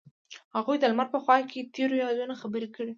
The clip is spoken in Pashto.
هغوی د لمر په خوا کې تیرو یادونو خبرې کړې.